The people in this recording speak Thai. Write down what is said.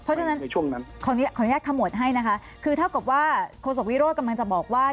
เพราะฉะนั้นในช่วงนั้นขออนุญาตขมวดให้นะคะคือเท่ากับว่าโฆษกวิโรธกำลังจะบอกว่า